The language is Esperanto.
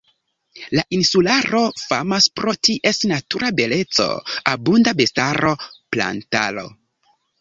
La insularo famas pro ties natura beleco, abunda bestaro, plantaro.